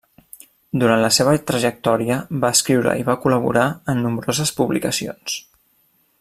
Durant la seva trajectòria va escriure i va col·laborar en nombroses publicacions.